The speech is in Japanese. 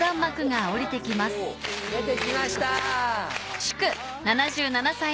お！出てきました。